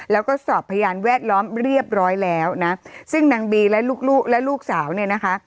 แล้วก็สอบพยานแวดล้อมเรียบร้อยแล้วนะซึ่งนางบีและลูกลูกและลูกสาวเนี่ยนะคะ